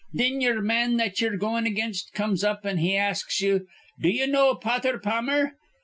Thin ye'er man that ye're goin' aginst comes up, an' he asks ye, 'Do you know Potther Pammer?'